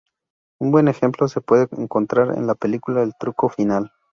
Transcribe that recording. Un buen ejemplo se puede encontrar en la película "El truco final".